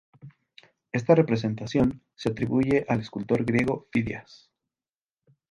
Esta representación se atribuye al escultor griego Fidias.